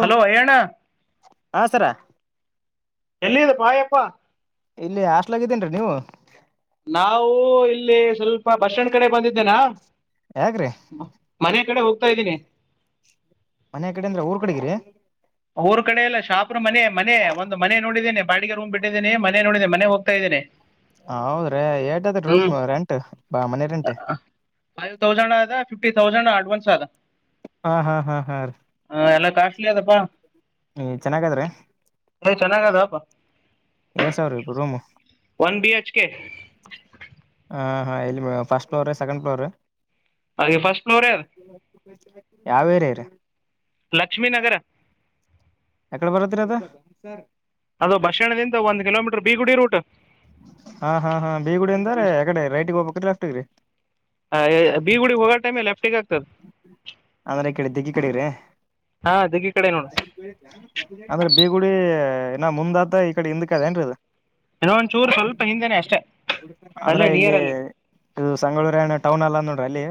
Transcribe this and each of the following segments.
Hello ಹೇಳ ಅಣ್ಣ ಹ ಸರ ಎಲ್ಲಿಿದೆ ಪಾಯಪ್ಪಾ ಇಲ್ಲಿ ಹಸ್ಲಗಿದ್ದೇನ್ರೀ ನೀವು ನಾವು ಇಲ್ಲಿ ಸ್ವಲ್ಪ ಬಸ್ಟ್ಯಾಂಡ್ ಕಡೆ ಬಂದಿದ್ದೇನಾ ಯಾಕ್ರೀ ಮ- ಮನೆ ಕಡೆ ಹೋಗ್ತಾ ಇದ್ದೀನಿ ಮನೆ ಕಡೆ ಅಂದ್ರೆ ಊರ್ ಕಡೆಗಿರಿ ಊರ್ ಕಡೆ ಎಲ್ಲ ಶಾಪ್ರ ಮನೆ ಮನೆ ಒಂದು ಮನೆ ನೋಡಿದ್ದೇನೆ ಬಾಡಿಗೆ ರೂಮ್ ಬಿಟ್ಟಿದ್ದೇನೆ ಮನೆ ನೋಡಿದ್ದನೆ ಮನೆ ಹೋಗ್ತಾ ಇದ್ದೇನೆ ಹೌದ್ರೀ ಎಟದೀ ರೂಮ್ ರೆಂಟ್ ಬ ಮನೆ ರೆಂಟ್ ಫಿಫ್ಟಿೌಸ್ ಅಡ್ವಾನ್ಸ್ ಅ ಹಾ ಹಾ ಹಾ ಹಾ ಎಲ್ಲ ಕಾಸ್ಟ್ಲಿ ಅದಪ್ಪಾ ಹೂ ಚೆನ್ನಾಗಾದ್ರೆ ಚೆನ್ನಾಗ ಅದಪ್ಪಾ ಎ ಸ ಅವ ಇಪು ರೂಮ ಒನ್ ಬಿ ಎಚ್ ಕೆ ಹಾ ಹಾ ಇಲ್ಲಿ ಫರ್ಸ್ಟ್ ಫ್ಲೋರ್ ಸೆಕೆಂಡ್ ಫ್ಲೋರ್ ಹಾಗೆ ಫಸ್ಟ್ ಫ್ಲೋರ್ ಯಾವ್ ಏರಿಯಾ ರಿ ಲಕ್ಷ್ಮೀ ನಗರ ಇಲ್ಲಿ ಬರ್ತತ್ರಿ ಅದ- ಅದು ಬಸ್ ಸ್ಟಂಡದಿಂದ ಒಂದಂದು ಕಿಲೋಮೀಟರ್ ಬೀಗುಡಿ ರೂಟ್ ಹಾ ಹಾ ಹಾ ಬೇಗುಡ ಅಂದಾರ ಯಗಡೆ ರೈಟ್ಗೆ ಹೋಗಬಕ ಲೆಫ್ಟಗ್ರಿ ಲೆಫ್ಟಿಗ ಅಮ್ರೆ ಕಡೆ ದಿಕ್ಕಿ ಕಡೆಗ್ರೀ ಹಾ ದಿಗ್ಗಿ ಕಡೆ ನೋಡು ಅಂದ್ರೆ ಬೀಗುಡಿ ನಾ ಮುಂದತ ಈ ಕಡೆ ಹಿಂದಕ ಅದ ಏನ್ರದ ಇ ಒಂಚೂರು ಸ್ವಲ್ಪ ಹಿಂದೆನೆ ಅಷ್ಟೇ ಅಂದ್ರ ಅಲ್ಲೇ ನಿಯರ್ ಇಲ್ಲಿ ಅಲ್ಲಿ ಇದು ಸಂಗಳೂರುಣ್ಣ ಟೌನ್ ಅಲ್ಲ ನೋಡ್ರಿ ಅಲ್ಲಿ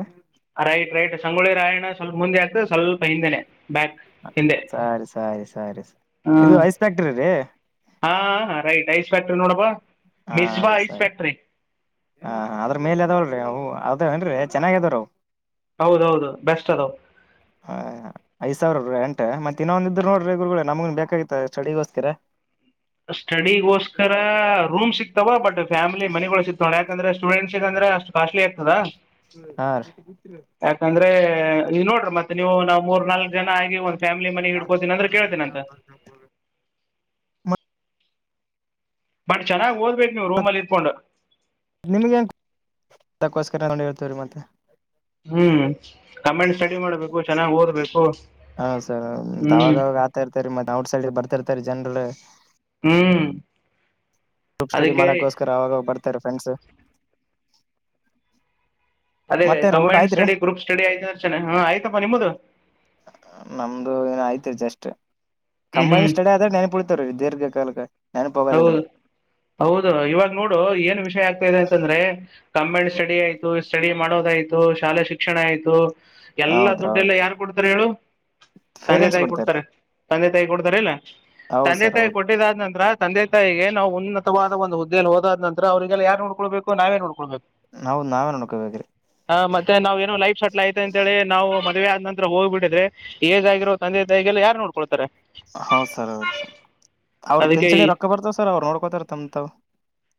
ರೈಟ್ ರೈಟ್ ಸಂಗೊಳ್ಳಿ ರಾಯಣ ಸ್ವಲ್ಪ ಮುಂದೆ ಆಗ್ತದೆ ಸ್ವಲ್ಪ ಹಿಂದೆನೆ ಬ್ಯಾಕ್ ಹಿಂದೆ ಸರಿ ಸರಿ ಸರಿ ಇದು ಐಸ್ ಕ್ಟ್ರ್ರೀ ಹಾ ರೈಟ್ ಐಸ್ ಫ್ಯಾಕ್ಟ್ರಿ ನೋಡಬಾ ಹಾ ಮಿಸ್ಬಾ ಐಸ್ ಸರಿ ಫ್ಯಾಕ್ಟ್ರಿ ಹ ಅದ್ರ ಮೇಲೆ ಅದಾವಳ್ರೀ ಹ ಅದ ಏನ್ ಚೆನ್ನಾಗ್ಯದಾವ್ರ ಹೌದೌದು ಬೆಸ್ಟ್ ಅದು ಹಾ ಐದ್ ಸಾವಿರ ಎ ಮ ಮತ್ತ ಇನ್ನೊಂದಿದ್ರರು ನೋಡ್ರಿ ಗ ನಮಗ ಬೇಕಾಗಿತ್ತ ಸ್ಟಿಗೋಸ್ಕರ ಸ್ಟಡಿಗೋಸ್ಕರ ರೂಮ್ ಸಿಗ್ತಾವ ಬಟ್ ಫ್ಯಾಮಿಲಿ ಮನೆಗಳ ಸಿಗ್ತಾವ ಕ್ರೆ ಸೂಡೆಂಸ್ಗ ಅ್ರ ಅಷ್ಟ ಕಾಸ್ಲಿ ಆಗ್ತದ ಹ ನೀ ನೋಡ್ರಿ ಮತ್ತ ನೀವು ನಾವ್ ಮೂರ್ ನಾಲ್ಕ್ ಜನ ಆಗಿ ಒಂದ್ ಫ್ಯಾಮಿಲಿ ಮನೆ ಹಿಡ್ಕೋತೀನಿ ಅಂದ್ರೆ ಕೇಳ್ತೀನಂತ ಬಟ್ ಚೆನ್ನಾಗ್ ಓದ್ಬೇಕೇು ನೀವವು ರೂಮ್ ಅಲ್ಲಿ ಇಕೊಂಡು ನಿಮ್ಗೆ ನ್ ಅದಕ್ಕೋಸ್ಕರ ತಗೊಂಡು ಹೇಳ್ತೇವ್ರೀ ಮತ್ತೆ [unintelligible] ಹ್ಮ್ ಕಮಿ ಸ್ಟಡಿ ಮಾಡ್ಬೇಕು ಚೆನ್ನಾಗ್ ಓದ್ಬೇಕು ಹಾ ಸರ್ ಮತ್ ಹ್ಮ್ ಅವಾಗಾಗ ಆತಾ ಇರ್ತರಿ ಮತ್ತೆ ಔಟ್ ಸೈಡ್ ಬರ್ತಾರ್ತಾರಿ ಜನ್ರು ಹ್ಮ್ ಗ್ರೂಪ್ ಸ್ಟಡಿ ಅದಕ್ಕೆ ಮಾಡಕೋಸ್ಕರ ಅವಾಗ ಬರ್ತಾರೆ ಫ್ರೆಂಡ್ಸ್ ಅದೇ ಮತ್ತೇನ್ರಿ ಊಟ ಕಂಬೈನ್ ಆಯ್ತ್ರಿ ಸ್ಟಡಿ ಗ್ರೂಪ್ ಸ್ಟಡಿ ಆಯ್ತ ಹಾ ಆಯ್ತಪ್ಪ ನಿಮ್ಮ್ದು ನಮ್ದು ಏನ ಆಯ್ತಿ ಜಸ್ಟ್ ಹ್ಮ್ ಕಂಬೈನ್ ಹ್ಮ್ ಸ್ಟಡಿ ಆದಾಗ ನನ್ ಪಳಿತಾರ ದೀರ್ಘ ಕಾಲಕ್ಕ ಹೌದು ಹೌದು ಇವಾಗ ನೋಡು ಏನ್ ವಿಷಯ ಆಗ್ತಾ ಇದೆ ಅಂತಂದ್ರೆ ಕ್ಮೆಂಟ್ ಸ್ಟಡಿ ಆಯ್ತು ಸ್ಟಡಿ ಮಾಡೋದಾಯ್ತು ಶಾಲಾ ಶಿಕ್ಷಣ ಆಯ್ತು ಎಲ್ಲ ಹೌದ್ರಿ ದುಡ್ಡು ಎಲ್ಲ ಹೌದ್ರಿ ಯಏನ್ ಕೊಡ್ತಾರೆ ಹೇಳು ತಂದೆ ಪೇರೆಂಟ್ಸ್ ತಾಯಿ ಕೊಡ್ತಾರೀ ಕೊಡ್ತಾರೆ ತಂದೆ ತಾಯಿ ಕೊಡ್ತಾರೆ ಇಲ್ಲ ಹೌದ್ ತಂದೆ ಸರ್ ತಾಯಿ ಹೌದ್ ಕೊಟ್ಟಿದಾದ್ ನಂತತ್ರ ತಂದೆ ತಾಯಿಗೆ ನಾವು ಉನ್ನತವಾದ ಒಂದು ಹುದ್ದೆಯಲ್ಲಿ ಹೋದಾದ ನಂತರ ಅವ್ರರಿಗೆಲ್ಲ ಯಾರು ನೋಡ್ಕೊಳ್ಬೇಕು ನಾವೇ ನೋಡ್ಕೊಳ್ಬೇಕು ನಾವವು ನಾವೇ ನೋಡ್ಕೊಬೇಕ್ರಿ ಹ ಮತ್ತೆ ನಾವ್ ಏನೋ ಲೈಫ್ ಸಟ್ಲ್ ಆಐತೆ ಅಂತ ಹೇಳ ನಾವುದ್ ಮದುವೆಯ ನಂತ್ರ ಹೋಗ್ಬಿದ್ರೆ ಏ್ಗರೋ [unintelligible] ತಂದೆ ತಾಗಿಲ್ಲ ಯಾರು ನೋಡ್ಕೊಳ್ತಾರೆ ಹೌ ಸರ್ ಅವ ಅವ್ರ ಅದಕ್ಕೆ ಈ ಪಿಂಚಣಿ ರೊಕ್ಕ ಬರ್ತವ್ ಸರ್ ಅವ್ರು ನೋಡ್ಕೋತಾರತಂತಾವ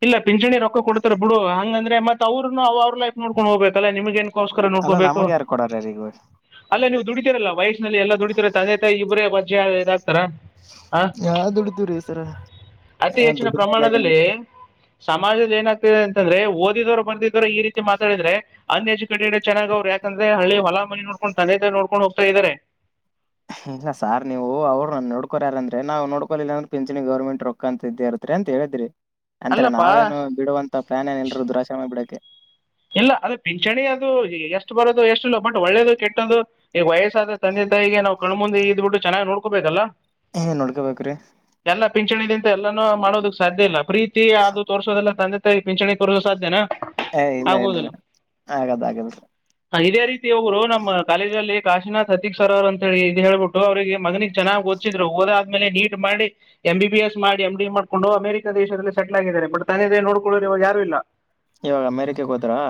ಇಲ್ಲ ಪಿಂಚಣಿ ರೊಕ್ಕ ಕೊಡ್ತಾರೆ ಬಿಡು ಹಂಗಂದ್ರೆ ಮತ್ ಅವರುನು ಅವ್ರ ಲೈ್ ನೋಡ್ಕೊಂಡ್ ಹೋಗಬೇಕಲ್ಲಾ ನಿಮ್ ಏನ್ ಅಕ್ಕೋಸ್ಕರ ಅಲ್ಲ ನೋಡ್ಕೋಬೇಕು ನಮಗ್ ಯಾರು ಕೊಡಾರ ಈಗ ಅಲ್ಲ ನೀವು ದುಡತಿರಲ್ಲ ವಯಸ್ಸನಲ್ಲಿ ಎಲ್ಲ ದುಡಿತೀರಲ್ಲ ತಂದೆ ತಾಯ ಇಬ್ಬರೇ ವಜ್ಯ ಹ ಯಾ ದುಡಿತೀವ್ರೀ ಸರ ಅತಿ ಏನ್ ಹೆಚ್ಚಿನ ದುಡಿಮೆ ಇಲ್ಲ ಏನ್ ಪ್ರಮಾಣದಲ್ಲಿ ಸಮಾಜದಲ್ಲಿ ಏನಾಗ್ತಿದೆ ಅಂತಂದ್ರೆ ಓದಿದವರು ಬರ್ದಿದ್ರರು ಈ ರೀತಿ ಮಾತಾಡಿದ್ರೆ ಅನ್ ಎಜುಕೇಟೆಡ್ ಚೆನ್ನಾಗ ಅವ್ ಯಾಕಂದ್ರೆ ಹಳ್ಳ ಹೊ ಮಿ ನೋಡ್ಕೊಂಡ ತಂದೆ ತಾಯಿ ನೋಡ್ಕೊಂಡ ಹೋಗತ ಇದ್ದಾರೆ [inaudible] ಇಲ್ಲ ಸಾರ್ ನೀವು ಅವ್ರರು ನೋಡ್ಕೋಾರಂದ್ರೆ ನಾವು ನೋಡ್ಕೋ ಇಲ್ಲಾಂದ ಪಿಂಚಣಿ ಗೌರ್ಮೆಂಟ್ ರೊಕ್ಕಕ ಅಂತ ಇದೇ ಇರತ್ ಅಂತ ಹೇಳಿದ್ರಿ ಅಂತರ ಅಲ್ಲಪ್ಪಾ ನಾವೇನು ಬಿಡುವಂತ ಪ್ಲಾನ್ ಏನ್ ಇಲ್ರರು ದುರಾಶ್ರಮ ಬಿಡಕ್ಕೆ. [inaudible] ಇಲ್ಲ ಅದ ಪಿಂಚಣಿ ಅದು ಎಷ್ಟು ಬರೋದು ಎಷ್ಟು ಇಲ್ಲ ಬಟ್ ಒಳ್ಳೇದು ಕೆಟ್ಟ್ದ ಈಗ ವಯಸ್ಸಾದ ತಂದೆ. ಈ ನವು ಕಣು ಮುಂದೆ ಇದಬ ಬಿಟ್ಟು ಚೆನ್ನ ನೋಡಬೇಕಲ್ಲ. ಹಏ ನೋಡ್ಕೋಬೇಕ್ರೀ. ಪಿಂಚಣಿ ದಿಂದ ಎಲ್ಲಾನೂ ಮಾಡೋದಕ್ ಸಾಧ್ಯ ಇಲ್ಲ ಪ್ರೀತಿ ಅದು ತೋರ್ಸೋದೆಲ್ಲ ತಂದೆ ತ ಪಿಂಚಣಿ ತೋರಿಸಸೋ ಸಾಧ್ಯನ. ಏ ಇಲ್ಲ ಏನ್ರರಿ ಹಾಗದ ಹಾಗೇನ್ರಿ. ಇದೇ ರೀತಿ ಒಬ್ರು ನಮ್ಮ ಕಾಲೇಜ ಅಲ್ಲಿ ಕಾಶಿನನಾಥ್ ಅತೀಕ್ ಸರ್ ಅವರು ಅಂತ ಹೇಳಿ ಇದು ಹೇಳ್ಬಿಟ್ಟು ಅವರಿಗೆ. ಮಗನಿಗೆ ಚನ್ನಾಗ ಓದ್ಸಿದ್ರು. ಮೇಲೆ ನೀಟ್ ಮಾಡಿ ಎಂ ಬಿ ಎಸ್ ಮಾಡಿ ಎಂ ಡಿ ಎ ಮಾಡ್ಕೊಂಡು ಅಮೆರಿಕಾ ದೇಶದಲ್ಲಿ ಸೆಟ್ಲ್ ಆಗಿದ್ದಾರೆ ಬಟ್ ತಂದ ನೋಡ್ಕೊಳ್ಳರು ಯಾರು ಇಲ್ಲ. ಇವಾಗ ಅಮೇರಿಕೆಗೆ ಹೋದ್ರಾ?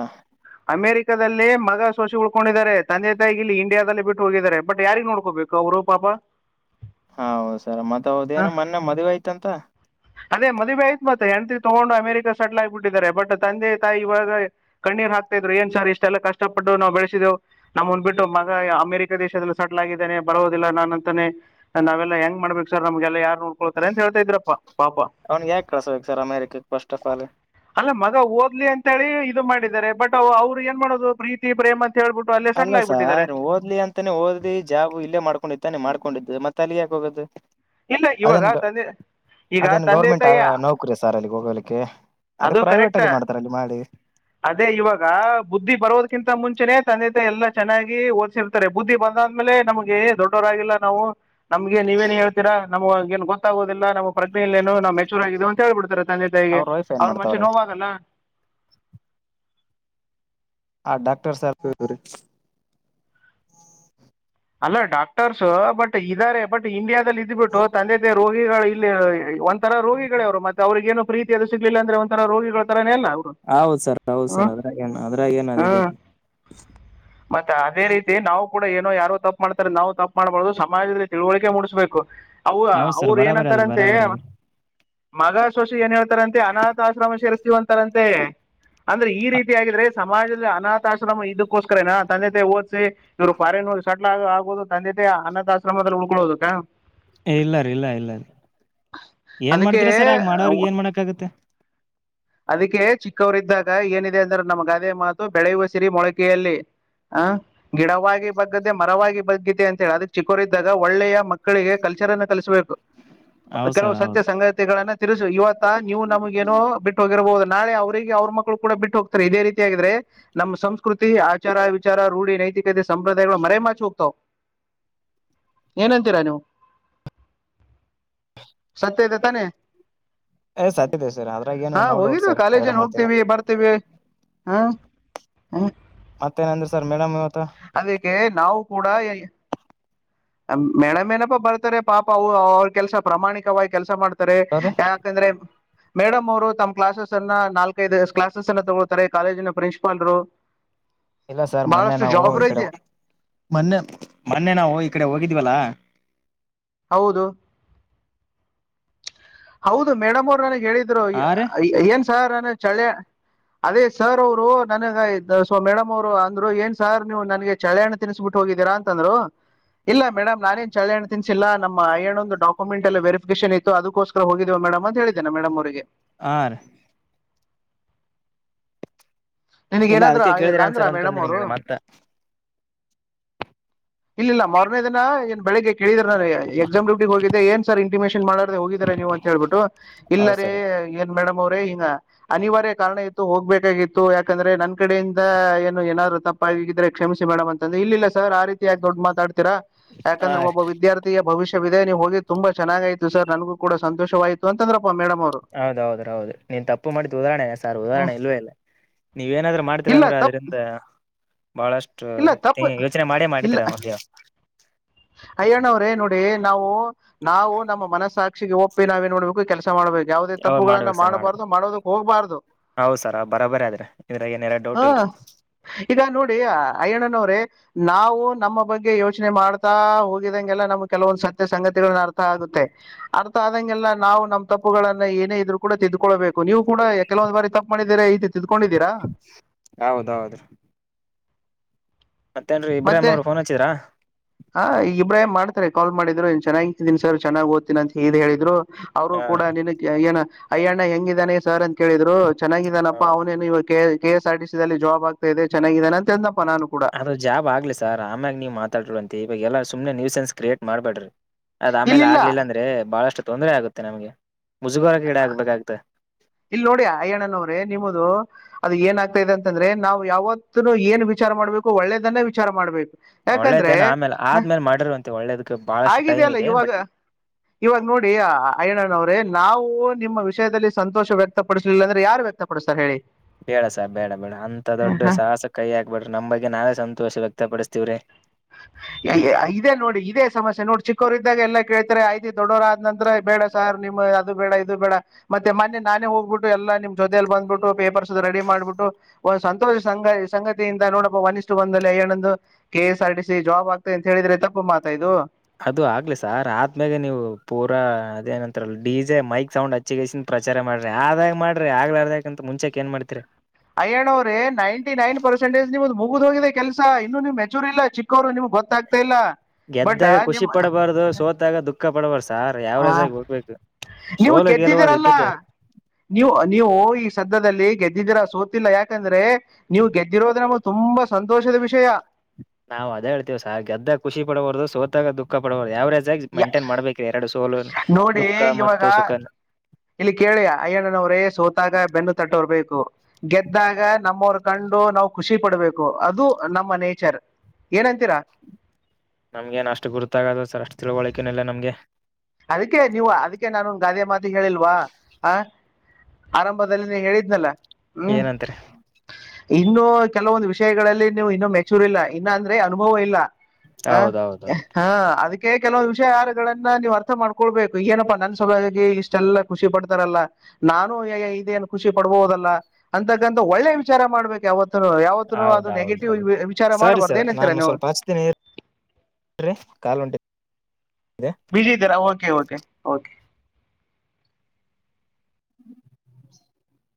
ಅಮೆರಿಕದಲ್ಲಿ ಮಗ ಶೋಷಿ ಉಳ್ಕೊಂಡಿದ್ದಾರೆ ತಂದೆ ತಾಯಿ ಇಲ್ಲಿ ಇಂಡಿಯಾದಲ್ಲಿ ಬಿಟ್ಟು ಹೋಗಿದ್ದಾರೆ ಬಟ್ ಯಾರಿಗೆ ನೋಡ್ಕೋಬೇಕು ಅವರು? ಹ ಪಾಪಾ. ಹೌದ ಸರ್ ಮತ್ತ ಹೌದೇನು ಮೊನ್ನೆ ಮದವೆ ಆಯ್ತಂತ. ಅದೇ ಮದುವೆ ಆಯತ್ತ್ತ ಹೆಣತಿ ತಗೊಂಡ ಅಮರಿಕ ಸೆಟಲ್ ಆಗ್ಬ ಬಿಟ್ಟಿದ್ದಾರೆ. ಬಟ್ ತಂದೆ ತಾಯಿ ಇವಾಗ ಕಣ್ಣೀರ್ ಹಾಕ್ತಾ ಇದ್ರು, ಏನ್ ಸರ್ ಇಷ್ಟೆಲ್ಲ ಕಷ್ಟಪಟ್ಟು ನಾವು ಬೆಳೆಸಿದೆೇವು ನಮ್ ಮುಂದ್ಬಿಟ್ಟು ಮಗ ಅಮೆರಿಕ ದೇಶದಲ್ಲಿ ಸಟಲ್ ಆಗಿದ್ದೇನೆ ಬರೋದಿಲ್ಲ ನಾನು ಅಂತಾನೆ ನಾವೆಲ್ಲ ಹೆಂಗ್ ಮಾಡ್ಬೇಕು ಸರ್ ನಮ್ಗೆಲ್ಲ ಯಾರು ನೋಡ್ಕೊಳ್ತಾರೆ. ತ ಹೇಳ್ತಾ ಇದ್ರಪ್ಪ. ಪಾಪ ಅವ್ನ ಯಾಕೆ ಕಳ್ಸಬೇಕು ಸರ್ ಅಮೇರಿಕಕ್ ಫಸ್ಟ್ ಆಫ್ ಆಲ್. ಅಂತ ಹೇಳಿ ಇದು ಮಾಡಿದ್ದಾರೆ ಬಟ್ ಅವ್ರು ಏನ್ ಮಾಡೋದು ಪ್ರೀತಿ ಪ್ರೇಮ ಹೇಳ್ಬಿಟ್ಟು ಅಲ್ಲೇ ಅಲ್ಲ ಸೆಟ್ಲ್ ಆಗ್ಬಿಟ್ಟಿದ್ದಾರೆ ಸಾರ್ ಓದ್ಲಿ ಅಂತಾನೇ ಒದ್ಲಿ ಜಾಬು ಇಲ್ಲೇ ಮಾಡ್ಕೊಂಡಿತ್ತಾನೆ ಮಾಡ್ಕೊಂಡಿದ್ದ ಮತ್ತೆ ತಲಿಯಾಕೋಗದು. ಇಲ್ಲ ಇವಾಗ ತಂದೆ. ಈಗ ಅದೇನು ತಂದೆ ಗೌರ್ಮೆಂಟ್ ತಾಯಿ ನೌಕರಿ ಸಾರ್ ಅಲ್ಲಿ ಹೋಗಲಿಕ್ಕೆ ಅದೇ ಅದು ಪ್ರೈವೇಟ್ ಕರೆಕ್ಟ್ ಅಲ್ಲಿ ಮಾಡ್ತಾರ ಅಲ್ಲಿ ಮಾಡಿ. ಅದೇ ಇವಾಗ ಬುದ್ಧಿ ಬರೋದ್ಕಿಂತ ಮುಂಚೆನನೆ ತಂದೆ ತ ಎಲ್ಲಾ ಚೆನ್ನಾಗಿ ಓದಸಿರ್ತಾರೆ ಬುದ್ಧಿ ಬಂದ ಅದಾದ್ಮೇಲೆ ನಮ್ಗೆ ದೊಡ್ಡವರಾಗಿಲ್ಲ ನಾವು ನಮ್ಗೆ ನೀವೇನ್ ಹೇಳ್ತೀರಾ ನಮ ಏನ್ ಗೊತ್ತಾಗೋದಿಲ್ಲ ನಮ್ಗೆ? ಪ್ರಜ್ನೆ ಇಲ್ಲೇನು ನಾ್ ಮೆಚೂರ್ ಆಗಿದೇವು ಅಂತ ಹೇಳ್ಬಿಡ್ತಾರೆ ತಂದೆ ತಾಯಿಗೆ ವೈಫ್ ಏನ್ ಅವ್ರ ಮನುಷಿ ಮಾಡ್ತಾವ್ರೆ ನೋವಾಗಲ್ಲ? ಆ ಡಾಕ್ಟರ್ ಸಾರ್. ಅಲ್ಲ ಡಾಕ್ಟರ್ಸ್ ಬಟ್ ಇದ್ದಾರೆ ಬಟ್ ಇಂಡಿಯಾದಲ್ಲಿ ಇದ್ ಬಿಟ್ಟು ತಂದೆ ತಾಯಿ ರೋಗಿಗಳ ಇಲ್ಲಿ ಒಂ ತರ ರೋಗಿಗಳ ಅವರು ಮತ್ತೆ ಅವ್ರಿಗೇನು ಪ್ರೀತಿಿಯ ಅದು ಸಿಗ್ಲಿಲ್ಲ ಅಂದ್ರೆ ಒಂರ ರೋಗಿಗಳ ತರ ಹೌದು ಸರ್ ಹೌದು ಸರ್ ಅದ್ರಾಗ ಅದ್ರಾಗ ನ ಅದಿದ್ದೇ ಹಾಂ ಮತ್ತೆ ಅದೇ ರೀತಿ ನಾವು ಕೂಡ ಏನೋ ಯಾರೋ ತಪ್ಪಪ್ ಮಾಡ್ತಾರೆ ನಾವು ತಪ್ಪ ಮಾಡ್ಬಾರದು ಸಮಾಜದಲ್ಲಿ ತಿಳುವಳಿಕೆ ಮೂಡಿಸ್ಬೇಕು. ಅ ಹೌದ್ ಸರ್ ಅವರು ಬರಾಬರಿ ಅದ್ರಿ ಏನಂತಾರಂತೆ ಬರಾಬರಿ ಅದ್ರಿ ಮಗ ಶೋಷಿ ಏನ್ ಹೇಳ್ತಾರಂತೆ, ಅನಾಥ ಆಶ್ರಮ ಸೇರಿಸ್ತೀವಂತಾರಂತೆ. ಅಂದ್ರೆ ಈ ರೀತಿ ಆಗಿದ್ರೆ ಸಮಾಜದಲ್ಲಿ ಅನಾಥಾಶ್ರಮ ಇದಕ್ಕೋಸ್ಕರೇನಾ? ತಂದೆ ತಾಯಿ ಓದಿಸಿ ಇವರು ಫಾರಿನ್ ಹೋಗಿ ಸೆಟ್ಲ ಆಗದು ತಂದೆ ತಾಯಿ ಅನಾಥ ಆಶ್ರಮದಲ್ಲಿ ಉಳ್ಕೊಳ್ಳೋದಕ್ಕಾ? ಇಲ್ಲಾರ ಇಲ್ಲ ಇಲ್ಲ ಏನ್ ಅದಕ್ಕೆ ಮಾಡ್ತರ ಸರ್ ಆಗ ಮಾಡೋರಗ್ ಏನ್ ಮಾಡಕ್ ಆಗತ್ತೆ. ಅದಕ್ಕೆ ಚಿಕ್ಕವರಿದ್ದಾಗ ಏನಿದೆ ಅಂದ್ರೆ, ನಮ್ಮ ಗಾದೆ ಮಾತು ಬೆಳೆಯುವ ಸಿರಿ ಮೊಳಕೆಯಲ್ಲಿ. ಹ ಗಿಡವ ಬಗ್ಗದ್ದು ಮರವಾಗಿ ಬಗ್ಗಿತೆ ಅಂತ ಹೇಳಿ ಅದಕ್ಕೆ ಚಿಕ್ಕೋರಿದ್ದಾಗ ಒಳ್ಳೆಯ ಮಕ್ಕಳಿಗೆ ಕಲ್ಚರ್ನ್ನ ಕಲಿಸಬೇಕು. ಹೌದ್ ಕೆಲವು ಸರ್ ಸತ್ಯ ಹೌದು ಸಂಗತಿಗಳನ್ನ. ತಿರುಸು ಇವತ್ತ ನೀವು ನಮಗೇನೋ ಬಿಟ್ಟು ಹೋಗಿರಬಹುದು ನಾಳೆ ಅವ್ರರಿಗೆ ಅವ್ರ ಮಕ್ಕಳು ಕೂಡ ಬಿಟ್ಟು ಹೋಗತಾರೆ ಇದೇ ರೀತಿಯಗ್ರೆ. ನಮ್ಮ ಸಂಸ್ಕೃತಿ ಆಚಾರ ವಿಚಾರ ರೂಢಿ ನೈತಿಕತೆ ಸಂಭಂಧಗಳು ಮರಮಚಿ ಹೋಗ್ತಾವ ಏನಂತೀರಾ ನೀವು? ಸತ್ಯ ಇದೆ ತಾನೇ? ಏ ಸತ್ಯದೆ ಸರ್ ಅದ್ರಾಗ ಏನ ಹಾ ನೋ ಡೌಟ್ ಹೋಗಿದ್ವಿ ಸರ್ ಎರಡು ಕಾಲೇಜನ್ ಮಾತಿಲ್ಲ ಹೋಗ್ತೀವಿ ಬರ್ತೀವಿ. ಹಾ ಹ. ಮತ್ತೇನಂದ್ರೆ ಸರ್ ಮೇಡಮ್ ಇವತ್ತ. ಅದಕ್ಕೆ ನಾವು ಕೂಡ ಎ ಮೇಡಂಮ್ಪಾ ಬರ್ತಾರೆ ಪಾಪ ಅವ್ರ ಕೆಲ್ಸ ಪ್ರಾಮಾಣಿಕವಾಗಿ ಕೆಲ್ಸ ಮಾಡ್ತಾರೆ ಅವ್ರಿ ಯಾಕಂದ್ರೆ ಮೇಡಮ್ ಅವರು ತಮ್ಮ್ ಕ್ಲಾಸಸ್ ಅನ್ನ ನಾಲ್ಕೈದು ಕ್ಲಾಸಸ್ ಅನ್ನ ತಗೊಳ್ತಾರೆ ಕಾಲೇಜಿನ ಪ್ರಿನ್ಸಿಪಾಲ್ರು. ಇಲ್ಲ ಸರ್ ಮೊನ್ನೆ ಬಹಳಷ್ಟು ನಾವು ಜವಾಬ್ದಾರಿ ಈಡೆ ಇದೆ ಮೊನ್ನೆ ಮೊನ್ನೆ ನಾವು ಈಡೆ ಹೋಗಿ ಹವಲ್ಲಾ ಹೌದು ಹೌದು ಮೇಡಮ್ ಅವರು ನನಗ್ ಹೇಳಿದ್ರು ಹಾ ರೀ ಏನ್ ಸಾರ್ ನನ ಚಳ್ಳೆ ಅದೇ ಸರ್ ಅವರು ನನಗ ಸೊ ಮೇಡಮ್ ಅವರು ಅಂದ್ರು ಏನ್ ಸಾರ್ ನೀವು ನನ್ಗೆ ಚಳೆಯಾಣ ತಿನ್ಿಸಬಿಟ್ಟು ಹೋಗಿದ್ದೀರಾ ಅಂತಂದ್ರು ಇಲ್ಲ ಮೇಡಮ್ ನಾನೇನ್ ಚಳ್ಳೇಹಣ್ಣು ತಿನ್ಿಲ್ಲ ನಮ್ಮ ಮಾಯಣ್ಣದು ಡಾಕ್ಯುಮೆಂಟ್ಸ್ ಎಲ್ಲ ವೆರಿಫಿಕೇಶನ್ ಇತ್ತು ಅದಕ್ಕಸ್ಕ ಹೋಗಿದೀ ಮೇಡಮ ಅಂತ ಹೇಳಿದ್ದನೆ ಮೇಡಮ ಅವರಿಗೆ ಆ ನಿನಗ ಇಲ್ಲ ಅದಕ್ಕೆ ಏನಾದ್ರದ ಕೇಳಿದ್ರ ಅಂದ್ರ ಸರ್ ಮೇಡಮ್ ಅಂತಂದೆ ಅವರು ನಿಮ್ಗೆ ಮತ್ತ ಇಲ್ಲಲ್ಲ ಮಾರನೇ ದಿನ ಏನ್ ಬೆಳಿಗ್ಗೆ ಕೇಳಿದ್ರ ನಾನ ಎಕ್ಸಾಮ್ ಹೋಗಿದ್ದೆ ಏನ್ ಸರ್ ಇಂಟಿಮೇಷನ್ ಮಾಡ್ದೆ ಹೋಗಿದಿರ ನೀವು ಅಂತ ಹೇಳ್ಬಿಟ್ಟು ಹೌದ್ ಇಲ್ಲರೆ ಸರ್ ಏನ್ ಮೇಡಮ್ ಅವ್ರೇ ಹಗ ಅನಿವಾರ್ಯ ಕಾರಣ ಇತ್ತು ಹೋಗ್ಬೇಕಾಗಿತ್ತು ಯಾಕಂದ್ರೆ ನನ್ ಕಡೆಯಿಂದ ಏನು ಏನಾದ್ೂ ತಪ್ಪಗಿದೆ ಕ್ಷಮಿಸಿ ಮೇಡಮ ಅಂತ್ರೆ ಇಲ್ಲ ಸರ್ ಆ ರೀತಿ ಯೆ ದೊಡ್ ಮಾತಾಡ್ತಾರೆ ಹಾ ಯಾಕಂದ್ರೆ ಒಬ್ಬ ವಿದ್ಯಾರ್ಥಿಯ ಭವಿಷ್ಯ ಇದೆ ನೀವು ಹೋಗಿ ತುಂಬಾ ಚೆನ್ನಾಗಾಯ್ತು ಸರ್ ನನ್ಗೂ ಕೂಡ ಸಂತೋಷವಾಯಿತು ಅಂತಂದ್ರೆ ಹೌದ ಹೌದ ಹೌದು ನೀನ್ ತಪ್ಪು ಮಾಡಿದ್ದು ಉದಾಹರಣೆ ಸಾರ್ ಉದಾಹರಣೆ ಇಲ್ವೇ ಇಲ್ಲ ನೀವ ಏನಾದ್ರರು ಮಾಡ್ತಿೀರ ಇಲ್ಲ ಅಂದ್ರೆ ತಪ್ಪು ಅದ್ರಿಂದ ಬಹಳಷ್ಟು ಇಲ್ಲ ತಪ್ಪು ಯೋಚನೆ ಮಾಡೇ ಇಲ್ಲ ಮಾಡ್ತೀರಾ ಅವ ಅಯ್ಯಣ್ಣ ಅವ್ರೇ ನೋಡಿ ನಾವು ನಾವು ನಮ್ಮ ಮನಸ್ಸಾಕ್ಷಿಗೆ ಒಪ್ಪಿ ನಾವೇನ್ ನೋಡ್ಬೇಕು ಕೆಲಸ ಮಾಡ್ಬೇಕು ಯಾಾವದೇ ತಪ್ಪುಗಳನ್ನ ಮಾಡ್ಬೇಕಕ್ ಸರ್ ಮಾಡ್ಬೇಕು ಮಾಡಬಾರ್ದು ಮಾಡೋದಕ್ ಹೋಗ್ಬಾರ್ದು ಹೌದ್ ಸರ್ ಬರಾಬರಿ ಆದ್ರ ಇದ್ರಾಗ ಏನಾರ ಡೌಟ್ ಹಾ ಇಲ್ರಿ ಈಗ ನೋಡಿ ಅಯ್ಯಣ್ಣನವ್ರೇ ನಾವು ನಮ್ಮ ಬಗ್ಗೆ ಯೋಚನೆ ಮಾಡ್ತ ಹೋಗಿದಂಗೆಲ್ಲ ನಮ್ಗೆ ಕೆಲವೊಂದು ಸತ್ಯ ಸಂಗತಿಗಳನ್ನ ಅರ್ಥ ಆಗುತ್ತೆ ಅರ್ಥ ಆದಂಗೆಲ್ಲ ನಾವು ನಮ್ ತಪ್ಪ ನ್ನ ಏನೇ ಇದ್ರು ಕೂಡ ತೆಗೆ್ಕೊಳ್ಬೇಕು ನೀವು ಕೂಡ ಕೆಲವೊ್ ಬಾರಿ ತಪ್ಪ ಮಾಡಿದೀರ ತಿದ್ಕೊಂಡಿದ್ದೀರಾ ಹೌದೌದು ಮತ್ತೇನ್ರಿ ಇಬ್ರಾಹಿಂ ಮತ್ತೆ ಅವ್ರು ಫೋನ್ ಹಚ್ಚಿದ್ರಾ ಹ ಈಗ ಇಬ್ರಾಹ ಮಾಡ ಮಾಡ್ತಾರೆ ಕಾಲ್ ಮಾಡಿದ್ರು ಚೆನ್ನಾಗಿಂತೀಿನಿ ಸರ್ ಚನ್ನಾಗ್ ಓ್ತೀನಿ ಅಂತ ಹೇಳ ಹೇಳಿದ್ರು ಅವರು ಹಾ ಕೂಡ ನಿಿನ ಏನ ಅಯ್ಯಣ್ಣ ಹೆಂಗಿದ್ದಾನೆ ಸರ್ ಅಂತ ಕೇಳಿದ್ರು ಚೆನ್ನಾಗಿದ್ದಾನಪ್ಪಾ ಅವನೇನು ಇವ K S R T silly job ಆಗ್ತಾದೆ ಚೆನ್ನಾಗಾನ ಅಂತ ನಾನು ಕೂಡ ಆದ್ರ ಜಾಬ್ ಆಗ್ಲಿ ಸರ್ ಆಮ್ಯಾಗಿ ನೀವು ಮಾತಾಡ್ರಿ ಅಂತ ಇವಾಗ ಎಲ್ಲ ಸುಮ್ಮನೆ ನ್ೂ ಸೆನ್ಸ್ ಕ್ರಿಯೇಟ್ ಮಾಡಬ್ಯಾಡ್ರಿ ಅದ ಆಮೇಲೆ ಇಲ್ಲಿಲ್ಲ ಆಗ್ಲಿಲ್ಲ ಅಂದ್ರೆ ಬಹಳಷ್ಟು ತೊಂದರೆ ಆಗುತ್ತೆ ನಮ್ಗೆ ಮುಜುಗೋರ ಗಿಡ ಆಗ್ಬೇಕಾಗ್ತ ಇಲ್ ನೋಡಿಯ ಅಯ್ಯಣ್ಣನವ್ರೆ ನಿಮ್ಮದು ಅದು ಏನ್ ಆಗ್ತಾ ಇದೆ ಅಂತಂದ್ರೆ ನಾವು ಯಾವತ್ತನು ಏನ್ ವಿಚಾರ ವಿಚಾರ ಮಾಡ್ಬೇಕು ಒಳ್ಳೇದನ್ನೇ ವಿಚಾರ ಮಾಡ್ಬೇಕು ಯಾಕಂದ್ರೆ ಒಳ್ಳೇದೇನು ಆಮೇಲೆ ಆದ್ಮೇಲೆ ಮಾಡಿರ ಅಂತೆ ಒಳ್ಳೇದಕ್ ಬಹಳಷ್ಟು ಆಗಿದೆ ಟೈಮ್ ಅಲ್ಲ ಇದೆ ಇವಾಗ ಬಟ್ ಇವಾಗ ನೋಡಿ ಅಯಣ್ಣನವ್ರೇನ್ ನಾವು ನಿಮ್ಮ ವಿಷಯದಲ್ಲಿ ಸಂತೋಷ ವ್ಯಕ್ತಪಡಿಸಲಿಲ್ಲ ಅಂದ್ರೆ ಯಾರು ವ್ಯಕ್ತಪಡಿಸ್ತಾರೆ ಹೇಳಿ ಬೇಡ ಸ ಬೇಡ ಬೇಡ ಅಂತ ಹಾ ದೊಡ್ಡ ಸಾಹಸ ಕೈ ಹಾಕ್ಬಿಡ್ರ ನಮ್ಗ್ಗೆ ನಾವೇ ಸಂತೋಷ ಇ ವಕ್ತಪಡಿಸ್ತೀವ್ರಿ ಇದೇ ನೋಡಿ ಇದೇ ಸಮಸ್ಯೆ ನೋಡಿ ಚಿಕ್ಕೋರು ಇದ್ದಾಗ ಎಲ್ಲ ಕೇಳ್ತಿರಾ ಆಯ್ತಿ ದೊಡ್ಡೋರ ಆದ ನಂತ್ರ ಬೇಡ ಸರ್ ನಿಮ್ ಅದು ಬೇಡ ಇದು ಬೇಡ ಮತ್ತೆ ಮೊೆ ನಾನೇ ಹೋಗ್ಬಿಟ್ಟು ಎಲ್ಲ ನಿಮ್ ಜೊತಲಿ ಬಂದ್ಬಿಟ್ಟು ಪೇಪರ್ಸ್ ರೆಡಿ ಮಾಡ್ಬಿಟ್ಟು ಒಂದು ಸಂತೋಷ ಸಂಗ ಸಂಗತಿಯಿಂದ ನೋಡಪ್ಪ ಒಂದಿಷ್ಟು ಬಂದಲ್ಲ ಏನೊಂದು K S R T job ಆಗ್ತ ಅಂತ ಹೇಳಿದ್ರೆ ತಪ್ಪ ಮಾತಾಾಯ್ು ಅದು ಆಗ್ಲಿ ಸರ್ ಆದ್ಮ್ಯೆ ನೀವು ಪೂರಾ ಅದೇನಂತತ್ರ ಡಿಜೆ ಮೈಕ್ ಸೌಂಡ್ ಹಚ್ಚಿಗಸ ಪ್ರಚಾರ ಮಾಡ್ರಿ ಆದಾಗ್ ಮಾಡ್ರಿ ಆಗ್ಲ ಅರ್ದಕಂತ ಮುಚೆ ಏನ್ ಮಾಡ್ತಿೀರಿ ಅಯ್ಯಣ್ಣವ್ರೆ ನೈಂಟಿ ನೈನ್ ಪರ್ಸೆಂಟೇಜ್ ನಿಮ್ದು ಚಿಕ್ಕವ್ರು ನಿಮ್ಗೆ ಗೊತ್ತಾಗ್ತಾ ಇಲ್ಲ ಬಟ್ ಗೆದ್ದಾಗ ಖುಷಿ ನಿಮ್ಮ ಪಡಬಾರ್ದು ಸೋತಾಗ ದುಃಖ ಪಡಬಾರದು ಸಾರ್ ಯಾವ ಆ, ರೇಜಾಗಿ ಹೋಗ್ಬೇಕು ನೀವು ಸೋಲ ಗೆಲುವಾದ ಗೆದ್ದಿದ್ದೀರಲ್ಲ ಇದ್ದ್ದೇಾರ ನೀವು ನೀವು ಈ ಸದ್ಯದಲ್ಲಿ ಗೆದ್ದ ಗೆದ್ದಿದ್ದೀರಾ ಸೋತಿಿಲ್ಲ ಯಾಕಂದ್ರೆ ನೀವು ಗೆದ್ದಿರೋದ್ರ ನಮ ತುಂಬಾ ಸಂತೋಷದ ವಿಷಯ ನಾವವು ಅದೇ ಹಳ್ತೀವಿ ಸ ಗೆದ್ದಾಗ ಖುಷಿ ಪಡಬಾರ್ದು ಸೋತಾಗ ದುಃಖ ಪಡಬಾರ್ದ ಯಾವ್ರ ಎಸ ಮೈಂಟೈನ್ ಮಾಡ್ಬೇಕ್ರಿ ಎರಡು ಸೋಲು ನೋಡಿ ದುಃಖ ಇವಾಗ ಮತ್ತು ಸುಖನ ಇಲ್ಲಿ ಕೇಳಿಯ ಅಯ್ಯಣ್ಣನವರೇ ಸೋತಾಗ ಬೆನ್ನು ತಟ್ಟೋರ್ ಬೇಕು ಗೆದ್ದಾಗ ನಮ್ಮವರು ಕಂಡು ನಾವು ಖುಷಿ ಪಡ್ಬೇಕು ಅದು ನಮ್ಮ ನೇಚರ್ ಏನಂತೀರಾ ನಮ್ಗೆ ಏನ ಅಷ್ಟು ಗುತಾಗದು ಸರ್ ಅಷ್ಟು ತಿಳ್ಕೊಳಕ್ಕೇನ ಇಲ್ಲ ನಮ್ಗೆ ಅದಕ್ಕೆ ನೀವು ಅದಕ್ಕೆ ನಾನುಂದು ಗಾದೆ ಮಾತು ಹೇಳಿಲ್ವಾ ಆ ಆರಂಭದಲ್ಲಿ ನೀ ಹೇಳಿದ್ನಲ್ಲ ಹ್ಮ್ ಏನಂತರಿ ಇನ್ನು ಕೆಲವೊಂದು ವಿಷಯಗಳಲ್ಲಿ ನೀವು ಇನ್ನುೂ ಮೆಚೂರ್ ಇಲ್ಲ ಇನ್ನ ಅಂದ್ರೆ ಅನುಭವ ಇಲ್ಲ ಹ ಹೌದೌದೌದು ಹಾ ಅದಕ್ಕೆ ಕೆಲವೊಂದು ವಿಷಯಾರಗಳನ್ನ ನೀವ್ ಅರ್ಥ ಮಾಡ್ಕೊಳ್ಬೇಕು ಏನಪ್ಪಾ ನನ್ನ ಸಭಾಗಿ ಇಷ್ಟೆಲ್ಲಾ ಖುಷಿ ಪಡ್ತಾರಲ್ಲಾ ನಾನು ಇದೇಏನ್ ಖುಷಿ ಪಡ ಬಹುದಲ್ಲ ಅಂತಕ್ಕಂಥ ಒಳ್ಳೆ ವಿಚಾರ ಮಾಡ್ಬೇಕು ಯಾವತ್ತು ಯಾವತ್ನು ಅದು ನೆಗೆಟಿವ್ ಹೌದೌದೌದು ವಿಚಾರ ಸರಿ ಮಾಡ್ಬಾರ್ದು ಸರ್ ಏನ್ಂತೀರಾ ನಾನು ನೀವು ಸ್ವಲ್ಪ ಹಚ್ತೀನಿ ಕಾಲ್ ಉಂಟ ಬಜ ತರ ಓಕೆ ಓಕೆ ಓಕ [inaudible]